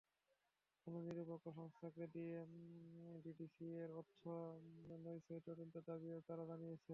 কোনো নিরপেক্ষ সংস্থাকে দিয়ে ডিডিসিএর অর্থ নয়ছয়ের তদন্তের দাবিও তাঁরা জানিয়েছেন।